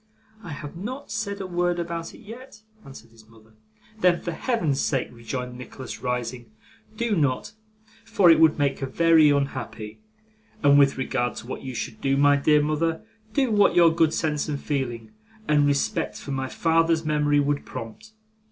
'I have not said a word about it yet,' answered his mother. 'Then, for Heaven's sake,' rejoined Nicholas, rising, 'do not, for it would make her very unhappy. And with regard to what you should do, my dear mother, do what your good sense and feeling, and respect for my father's memory, would prompt.